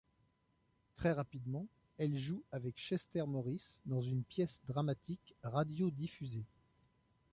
Très rapidement elle joue avec Chester Morris, dans une pièce dramatique radio diffusée.